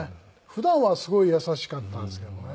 普段はすごい優しかったんですけどもね。